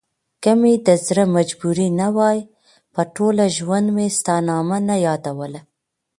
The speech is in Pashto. که مې دزړه مجبوري نه وای په ټوله ژوندمي ستا نامه نه يادوله